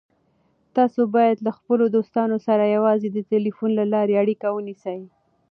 تاسو باید له خپلو دوستانو سره یوازې د ټلیفون له لارې اړیکه ونیسئ.